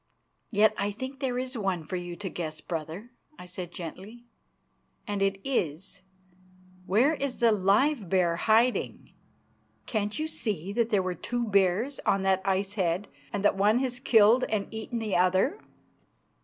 "Yet I think there is one for you to guess, brother," I said gently, "and it is: Where is the live bear hiding? Can't you see that there were two bears on that ice head, and that one has killed and eaten the other?"